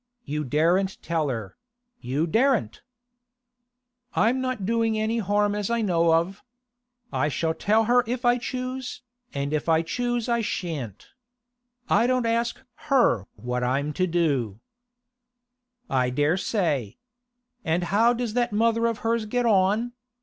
You daren't tell her; you daren't!' 'I'm not doing any harm as I know of. I shall tell her if I choose, and if I choose I shan't. I don't ask her what I'm to do.' 'I dare say. And how does that mother of hers get on?